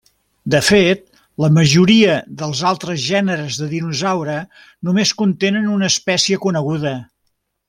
De fet, la majoria dels altres gèneres de dinosaure només contenen una espècie coneguda.